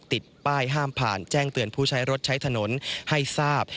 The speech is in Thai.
ติดป้ายห้ามผ่านแจ้งเตือนผู้ใช้รถใช้ถนนให้ทราบ